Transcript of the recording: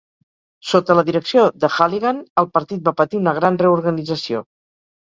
Sota la direcció de Halligan, el partit va patir una gran reorganització.